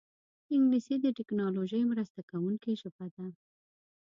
انګلیسي د ټیکنالوژۍ مرسته کوونکې ژبه ده